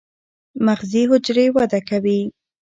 مغزي حجرې وده کوي.